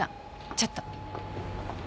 ちょっと。